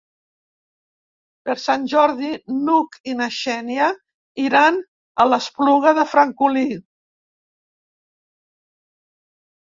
Per Sant Jordi n'Hug i na Xènia iran a l'Espluga de Francolí.